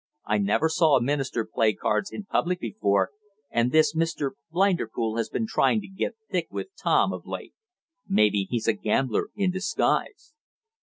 I never saw a minister play cards in public before, and this Mr. Blinderpool has been trying to get thick with Tom, of late. Maybe he's a gambler in disguise."